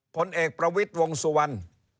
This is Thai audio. ผลเอกประวิทย์วงสุวรรณ